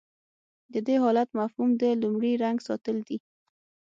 د دې حالت مفهوم د لومړي رنګ ساتل دي.